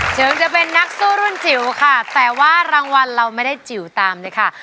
ถึงจะเป็นนักสู้รุ่นจิ๋วค่ะแต่ว่ารางวัลเราไม่ได้จิ๋วตามเลยค่ะ